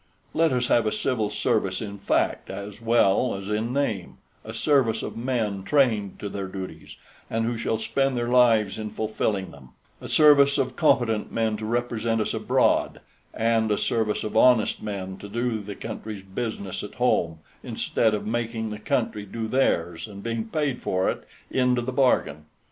Let us have a Civil Service in fact as well as in name, a service of men trained to their duties, and who shall spend their lives in fulfilling them; a service of competent men to represent us abroad, and a service of honest men to do the country's business at home, instead of making the country do theirs and being paid for it into the bargain.